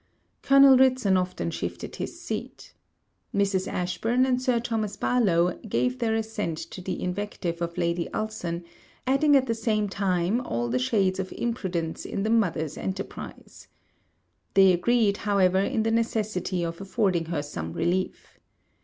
Colonel Ridson often shifted his seat. Mrs. Ashburn and Sir Thomas Barlowe gave their assent to the invective of Lady Ulson, adding at the same time all the shades of imprudence in the mother's enterprise. They agreed, however, in the necessity of affording her some relief.